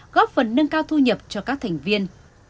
góp phần nâng cao thu nhập cho các thành viên